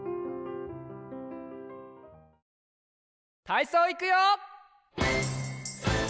たいそういくよ！